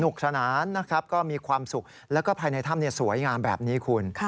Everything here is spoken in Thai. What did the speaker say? สนานนะครับก็มีความสุขแล้วก็ภายในถ้ำสวยงามแบบนี้คุณ